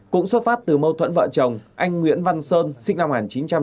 cũng xuất phát từ mâu thuẫn vợ chồng anh nguyễn văn sơn sinh năm một nghìn chín trăm tám mươi